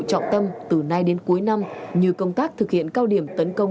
trọng tâm từ nay đến cuối năm như công tác thực hiện cao điểm tấn công